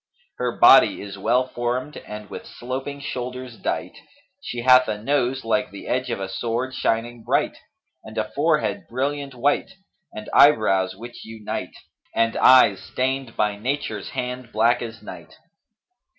Her body is well formed and with sloping shoulders dight; she hath a nose like the edge of a sword shining bright and a forehead brilliant white and eyebrows which unite and eyes stained by Nature's hand black as night.